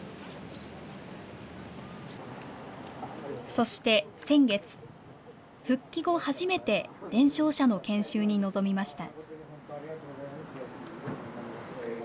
そして先月、復帰後、初めて伝承者の研修に臨みました。